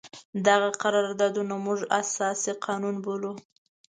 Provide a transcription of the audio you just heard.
دغه قرارداد موږ اساسي قانون بولو.